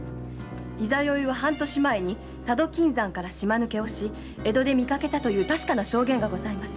十六夜は半年前佐渡から島抜けをし江戸で見かけたという確かな証言がございます。